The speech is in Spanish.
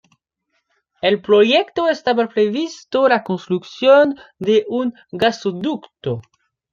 El proyecto estaba previsto la construcción de un gasoducto.